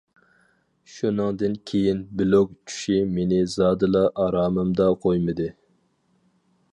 شۇنىڭدىن كېيىن بىلوگ چۈشى مېنى زادىلا ئارامىمدا قويمىدى.